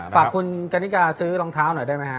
ฝากคุณกันนิกาซื้อรองเท้าหน่อยได้ไหมฮะ